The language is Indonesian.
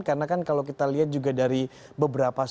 karena kan kalau kita lihat juga dari beberapa sisi